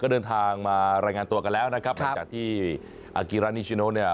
ก็เดินทางมารายงานตัวกันแล้วนะครับครับจากที่เนี่ย